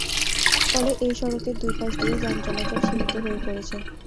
ফলে এই সড়কের দুই পাশ দিয়ে যান চলাচল সীমিত হয়ে পড়েছে।